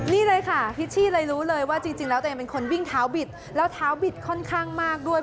นี่เลยค่ะพิชชี่เลยรู้เลยว่าจริงแล้วตัวเองเป็นคนวิ่งเท้าบิดแล้วเท้าบิดค่อนข้างมากด้วย